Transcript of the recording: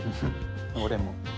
俺も。